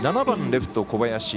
７番レフト小林。